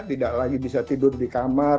tidak lagi bisa tidur di kamar